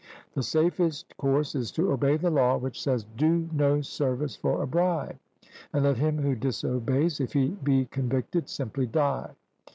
The safest course is to obey the law which says, 'Do no service for a bribe,' and let him who disobeys, if he be convicted, simply die.